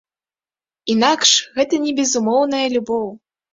Інакш гэта не безумоўная любоў.